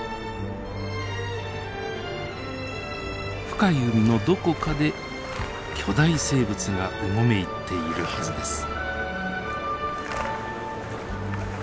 深い海のどこかで巨大生物がうごめいているはずです。